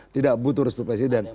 tidak butuh restu presiden